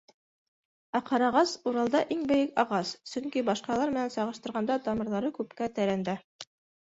Ә ҡарағас -Уралда иң бейек ағас, сөнки башҡалар менән сағыштырғанда, тамырҙары күпкә тәрәндә.